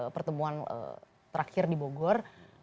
pertemuan terakhir di bogor